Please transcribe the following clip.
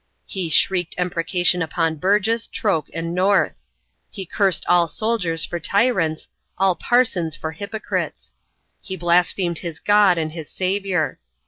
He shrieked imprecation upon Burgess, Troke, and North. He cursed all soldiers for tyrants, all parsons for hypocrites. He blasphemed his God and his Saviour.